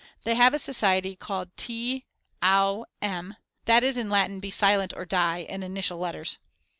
They have a society called T. Au. M., that is in Latin Be Silent or Die in initial letters.